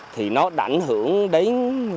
thì nó đảnh hưởng đến